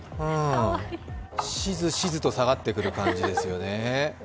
しずしずと下がってくる感じですね。